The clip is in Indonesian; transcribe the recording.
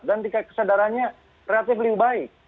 dan tingkat kesadarannya relatif lebih baik